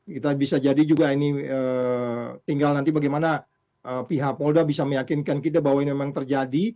kita bisa jadi juga ini tinggal nanti bagaimana pihak polda bisa meyakinkan kita bahwa ini memang terjadi